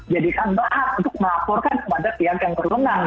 jadikan berat untuk melaporkan kepada pihak yang berwenang